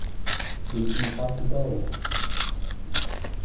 ดิอิมพอสสิเบิ้ล